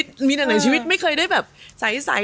ทางนวัดหน้าก